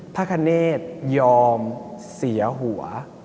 พระคเนธยอมเสียหัว